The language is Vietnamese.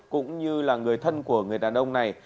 cũng như là người thân của người đàn ông này